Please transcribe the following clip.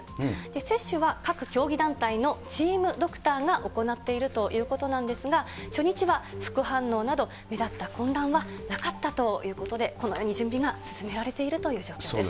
接種は各競技団体のチームドクターが行っているということなんですが、初日は副反応など目立った混乱はなかったということで、このように準備が進められているという状況です。